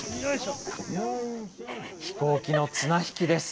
飛行機の綱引きです。